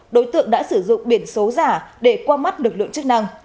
đối tượng đã sử dụng biển số giả để qua mắt lực lượng chức năng